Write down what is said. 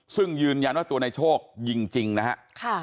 ซึ่งยืนยันว่าตัวนายโชคยิงจริงนะฮะ